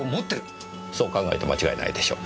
そう考えて間違いないでしょう。